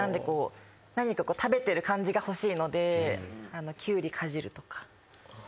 何か食べてる感じが欲しいのでキュウリかじるとか。